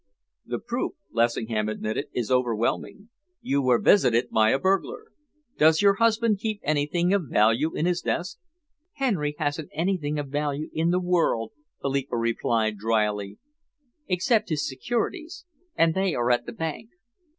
"The proof," Lessingham admitted, "is overwhelming. You were visited by a burglar. Does your husband keep anything of value in his desk?" "Henry hasn't anything of value in the world," Philippa replied drily, "except his securities, and they are at the bank."